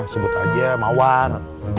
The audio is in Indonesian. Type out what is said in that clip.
sebut aja mawar